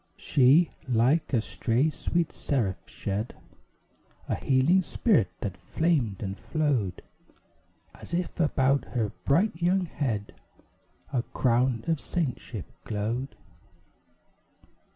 She, like a stray sweet seraph, shed A healing spirit, that flamed and flowed As if about her bright young head A crown of saintship glowed.